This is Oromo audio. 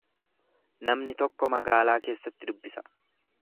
Namni tokko magaalaa keessatti dubbisa.